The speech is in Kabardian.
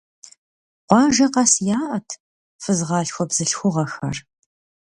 Къуажэ къэс яӏэт фызгъалъхуэ бзылъхугъэхэр.